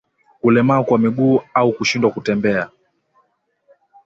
Kulemaa kwa miguu au kushindwa kutembea